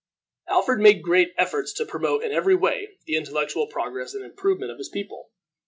Alfred made great efforts to promote in every way the intellectual progress and improvement of his people.